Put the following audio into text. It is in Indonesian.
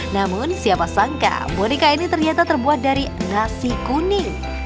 namun siapa sangka boneka ini ternyata terbuat dari nasi kuning